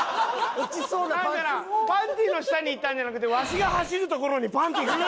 なんかなパンティの下に行ったんじゃなくてワシが走る所にパンティが来た。